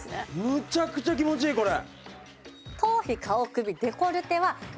むちゃくちゃ気持ちいいこれ。